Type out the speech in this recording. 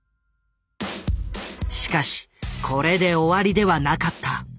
しかしこれで終わりではなかった。